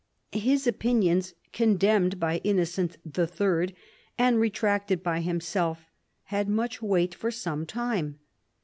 His opinions, condemned by Innocent III. and retracted by himself, had much weight for some time.